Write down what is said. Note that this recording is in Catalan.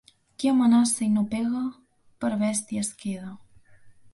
Qui amenaça i no pega, per bèstia es queda.